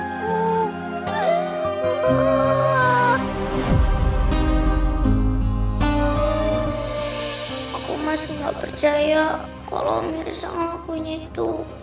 tapi aku masih gak percaya kalo mirip sama lagunya itu